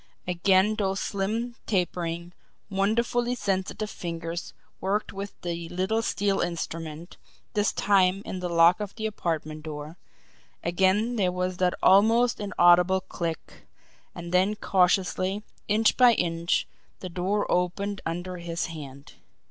Again those slim, tapering, wonderfully sensitive fingers worked with the little steel instrument, this time in the lock of the apartment door again there was that almost inaudible click and then cautiously, inch by inch, the door opened under his hand.